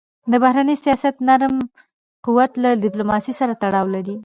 د بهرني سیاست نرم قوت له ډیپلوماسی سره تړاو لري.